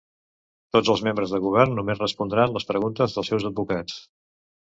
Tots els membres del govern només respondran les preguntes dels seus advocats.